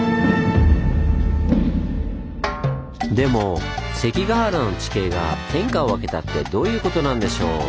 でも関ケ原の地形が天下を分けたってどういうことなんでしょう？